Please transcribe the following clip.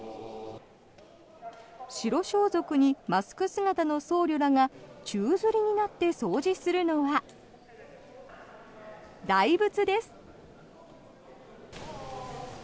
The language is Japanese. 白装束にマスク姿の僧侶らが宙づりになって掃除するのは大仏です。